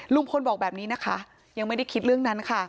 ลุงพลบอกแบบนี้นะคะยังไม่ได้คิดเรื่องนั้นค่ะ